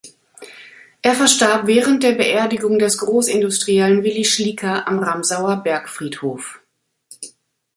Er verstarb während der Beerdigung des Großindustriellen Willy Schlieker am Ramsauer Bergfriedhof.